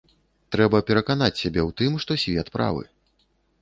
Трэба пераканаць сябе ў тым, што свет правы.